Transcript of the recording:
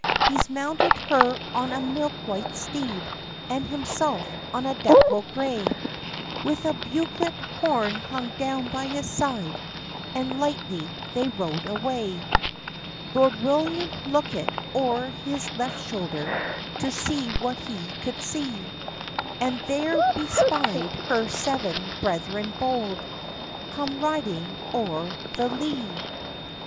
— He's mounted her on a milk white steed, And himself on a dapple grey, With a bugelet horn hung down by his side, And lightly they rode away. Lord William lookit o'er his left shoulder, To see what he could see, And there be spy'd her seven brethren bold, Come riding o'er the lee.